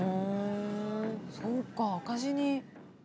そうか赤字に。